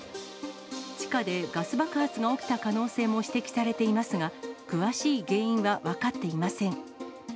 地下でガス爆発が起きた可能性も指摘されていますが、詳しい原因は分かっていません。